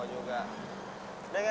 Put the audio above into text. udah nggak jadi deh udah